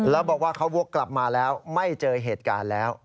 แล้วบอกว่าเขาวกกลับมาแล้วไม่เจอเหตุการณ์แล้ว